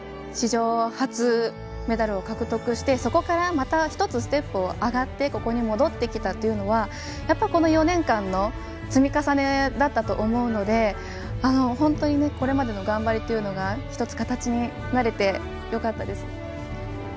史上初メダルを獲得してそこからまた１つステップが上がってここに戻ってきたというのはやっぱり、この４年間の積み重ねだったと思うので本当にこれまでの頑張りが１つ形になれてよかったです。